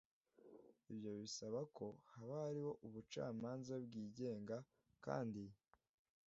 ibyo bisaba ko haba hariho ubucamanza bwigenga, kandi